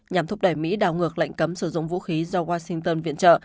nhằm thúc đẩy mỹ đảo ngược lệnh cấm sử dụng vũ khí do washington viện trợ